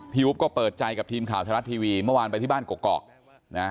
อุ๊บก็เปิดใจกับทีมข่าวไทยรัฐทีวีเมื่อวานไปที่บ้านกอกนะ